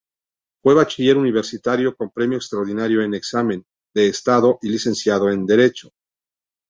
Fue bachiller universitario con premio extraordinario en examen de Estado, y licenciado en Derecho.